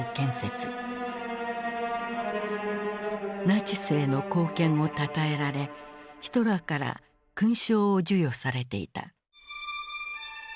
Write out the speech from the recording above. ナチスへの貢献をたたえられヒトラーから勲章を授与されていた。